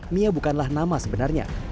mia bukanlah nama sebenarnya